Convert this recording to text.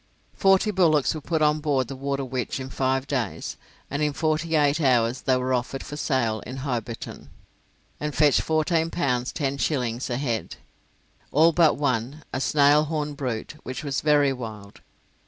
Forty bullocks were put on board the 'Waterwitch' in five days, and in forty eight hours they were offered for sale in Hobarton, and fetched fourteen pounds ten shillings a head all but one, a snail horned brute, which was very wild.